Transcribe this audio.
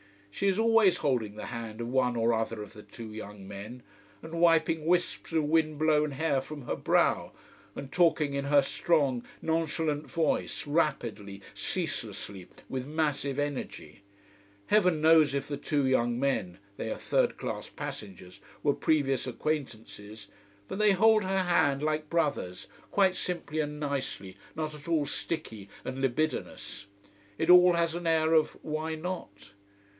She is always holding the hand of one or other of the two young men: and wiping wisps of wind blown hair from her brow: and talking in her strong, nonchalant voice, rapidly, ceaselessly, with massive energy. Heaven knows if the two young men they are third class passengers were previous acquaintances. But they hold her hand like brothers quite simply and nicely, not at all sticky and libidinous. It all has an air of "Why not?"